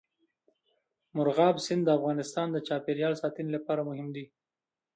مورغاب سیند د افغانستان د چاپیریال ساتنې لپاره مهم دي.